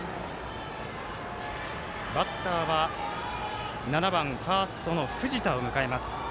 バッターは７番ファーストの藤田を迎えます。